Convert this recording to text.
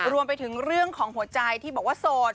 รวมไปถึงเรื่องของหัวใจที่บอกว่าโสด